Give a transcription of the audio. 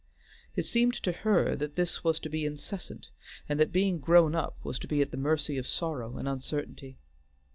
It seemed to her that this was to be incessant, and that being grown up was to be at the mercy of sorrow and uncertainty.